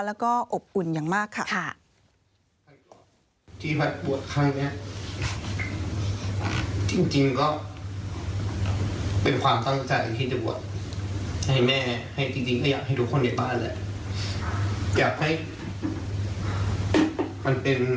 แล้วก็อบอุ่นอย่างมากค่ะ